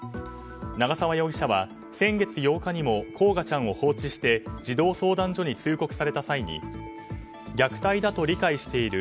長沢容疑者は先月８日にも煌翔ちゃんを放置して児童相談所に通告された際に虐待だと理解している。